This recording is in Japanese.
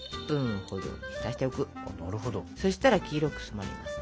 そしたら黄色く染まります。